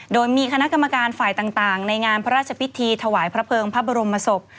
โดยมีคณะกรรมการฝ่ายต่างในงานพระราชพิธีถวายพระเภิงพระบรมศพ